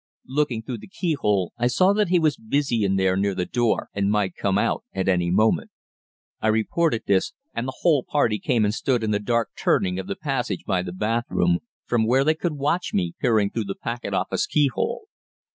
Looking through the keyhole I saw that he was busy in there near the door and might come out at any moment. I reported this, and the whole party came and stood in the dark turning of the passage by the bathroom, from where they could watch me peering through the packet office keyhole.